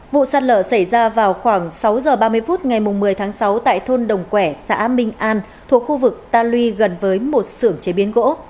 vụ sạt lở xảy ra vào khoảng sáu giờ ba mươi phút ngày một mươi tháng sáu tại thôn đồng quẻ xã minh an thuộc khu vực ta lui gần với một sưởng chế biến gỗ